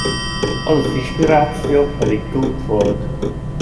Az az inspiráció pedig Gounod volt.